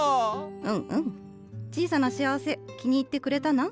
うんうん小さな幸せ気に入ってくれたナン？